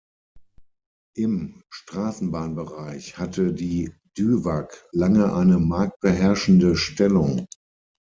Im Straßenbahn-Bereich hatte die Duewag lange eine marktbeherrschende Stellung.